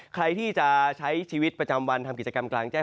ใครที่จะใช้ชีวิตประจำวันทำกิจกรรมกลางแจ้ง